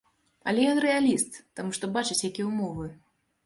Але ён рэаліст, таму што бачыць, якія ўмовы.